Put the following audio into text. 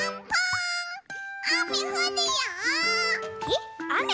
えっあめ？